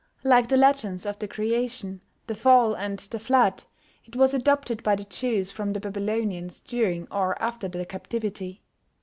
Like the legends of the Creation, the Fall, and the Flood, it was adopted by the Jews from the Babylonians during or after the Captivity.